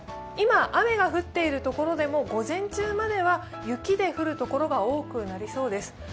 今、雨が降っている所でも午前中までは雪で降る所が多くなりそうです。